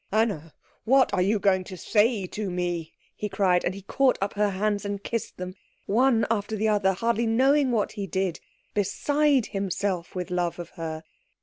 "Anna, what are you going to say to me?" he cried; and he caught up her hands and kissed them one after the other, hardly knowing what he did, beside himself with love of her.